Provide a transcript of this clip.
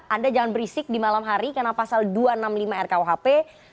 anda jangan berisik di malam hari karena pasal dua ratus enam puluh lima rkuhp